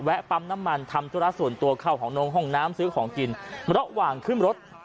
แวะปั๊มน้ำมันทำจุดละส่วนตัวเข้าของน้องห้องน้ำซื้อของจินแล้วหว่างขึ้นรถ